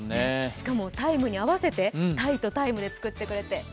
しかも、「ＴＩＭＥ，」に合わせて鯛とタイで作ってくれて。